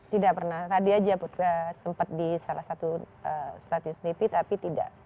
tidak pernah tadi aja sempat di salah satu status dp tapi tidak